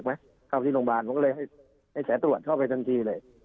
เข้าที่โรงพยาบาลผมก็เลยให้สายตรวจเข้าไปทันทีเลย